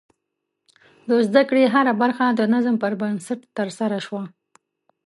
د زده کړې هره برخه د نظم پر بنسټ ترسره شوه.